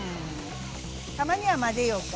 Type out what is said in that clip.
たまには混ぜようか。